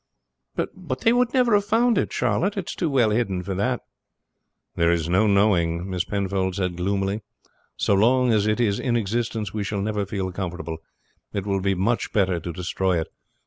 "But they would never have found it, Charlotte. It is too well hidden for that." "There is no knowing," Miss Penfold said gloomily. "So long as it is in existence we shall never feel comfortable. It will be much better to destroy it."